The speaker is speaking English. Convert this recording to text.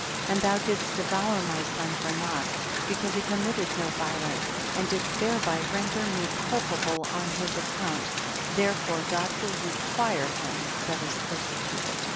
And thou didst devour my son for naught, because he commit ted no violence, and didst thereby render me* culpable on his account, therefore God will require him that is persecuted.